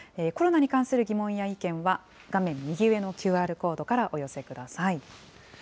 コロナに関する疑問や意見は、画面右上のＱＲコードからお寄せください。